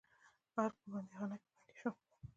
ارګ په بندیخانه کې بندي شوم.